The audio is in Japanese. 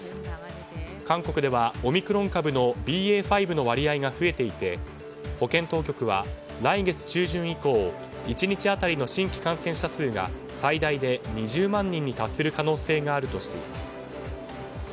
韓国ではオミクロン株のＢＡ．５の割合が増えていて保健当局は来月中旬以降１日当たりの新規感染者数が最大で２０万人に達する可能性があるとしています。